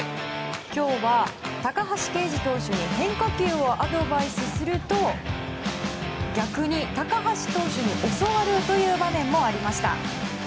今日は高橋奎二投手に変化球をアドバイスすると逆に高橋投手に教わる場面もありました。